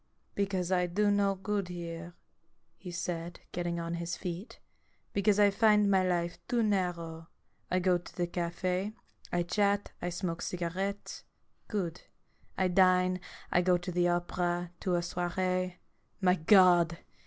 "" Because I do no good here," he said, getting on his feet. " Because I find my life too narrow. ORIGINAL SIN. 119 I go to the cafe, I chat, I smoke cigarettes. Good. I dine, I go to the opera, to a soiree. My God!'